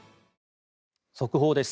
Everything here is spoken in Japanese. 速報です。